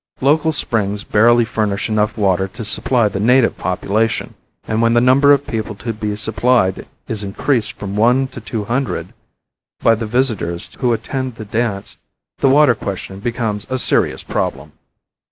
Local springs barely furnish enough water to supply the native population; and when the number of people to be supplied is increased from one to two hundred by the visitors who attend the dance, the water question becomes a serious problem.